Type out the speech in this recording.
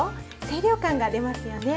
清涼感が出ますよね。